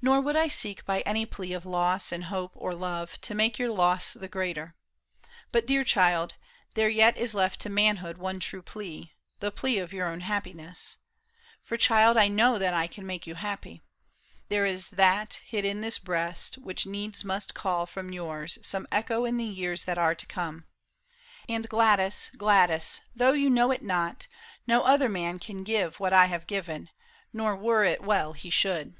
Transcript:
Nor would I seek By any plea of loss in hope or love To make your loss the greater. But, dear child. There yet is left to manhood one true plea. The plea of your own happiness. For child, I know That I can make you happy. There is that Hid in this breast which needs must call from yours Some echo in the years that are to come. And Gladys, Gladys, though you know it not. No other man can give what I have given. Nor were it well he should.